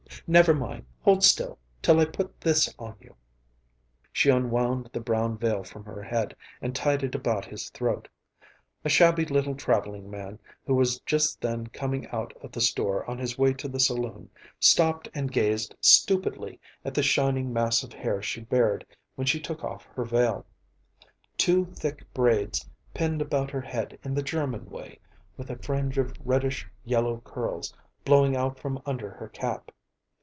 Never mind. Hold still, till I put this on you." She unwound the brown veil from her head and tied it about his throat. A shabby little traveling man, who was just then coming out of the store on his way to the saloon, stopped and gazed stupidly at the shining mass of hair she bared when she took off her veil; two thick braids, pinned about her head in the German way, with a fringe of reddish yellow curls blowing out from under her cap.